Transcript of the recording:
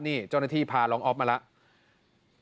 นี่เจ้าหน้าที่พาน้องอ๊อฟมาแล้ว